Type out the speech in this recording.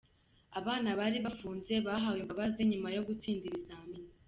Abana bari bafunze bahawe imbabazi nyuma yo gutsinda ibizamini.